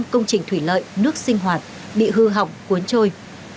một mươi năm công trình thủy lợi nước sinh hoạt bị hư hỏng cuốn trôi